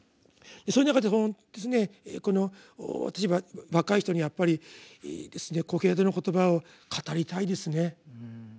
そういう中で私は若い人にやっぱり「コヘレトの言葉」を語りたいですね。